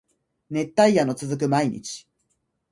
熱帯夜の続く毎日